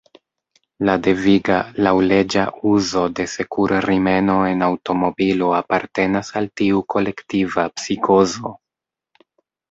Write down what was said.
La deviga, laŭleĝa uzo de sekur-rimeno en aŭtomobilo apartenas al tiu kolektiva psikozo.